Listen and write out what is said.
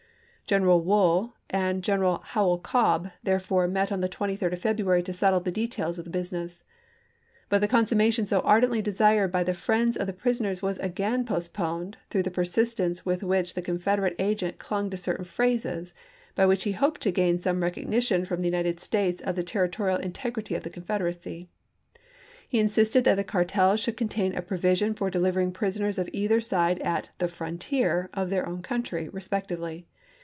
General Wool and General Howell Cobb therefore met on the 23d of February to settle the details of 1862. the business. But the consummation so ardently desired by the friends of the prisoners was again Vol. VII.— 29 450 ABRAHAM LINCOLN chap. xvi. postponed through the persistence with which the Confederate agent clung to certain phrases, by which he hoped to gain some recognition from the United States of the territorial integrity of the Confederacy. He insisted that the cartel should contain a provision for delivering prisoners of either side at " the frontier " of their own country, respectively.